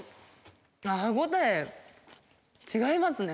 歯応え違いますね。